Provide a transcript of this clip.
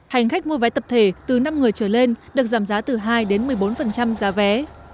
hành khách mua vé tập thể từ năm người trở lên được giảm giá từ hai đến một mươi bốn giá vé